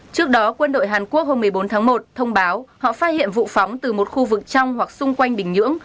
trước đó quân đội hàn quốc hôm một mươi bốn tháng một thông báo họ phát hiện vụ phóng từ một khu vực trong hoặc xung quanh bình nhưỡng